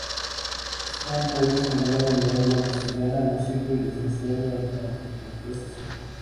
Es un poeta español en lengua castellana, músico y licenciado en Antropología Social.